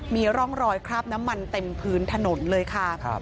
มีร่องรอยคราบน้ำมันเต็มพื้นถนนเลยค่ะ